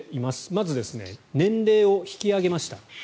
まず年齢を引き上げました。